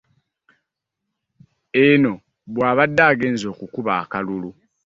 Eno bwabadde agenze okukuba akalulu